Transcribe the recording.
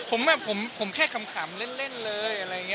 ตั้งเรื่อยผมแค่ขำเล่นเลยอะไรอย่างนี้ตลกดี